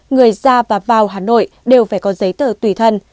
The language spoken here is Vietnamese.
người ra và vào hà nội đều phải có giấy tờ tùy thân